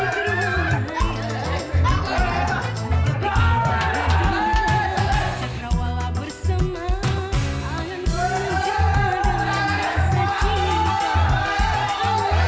diundi ya diundi ya